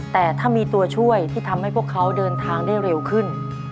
แต่ถ้ามีตัวช่วยที่ทำให้พวกเขาเดินทางได้เร็วขึ้น